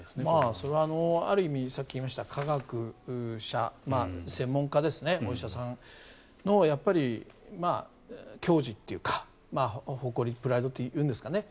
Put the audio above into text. それはある意味さっき言いました科学者専門家ですねお医者さんの矜持というか誇り、プライドというんですかね。